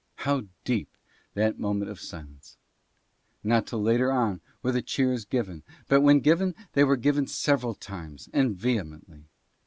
How deep that moment of silence ! Not till later on were the cheers given, but when given they were given several times, and vehemently.